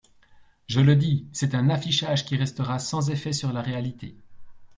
Je le dis : c’est un affichage qui restera sans effet sur la réalité.